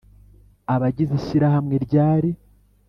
abagize ishyirahamwe ryari